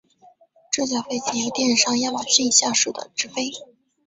这架飞机由电商亚马逊下属的执飞。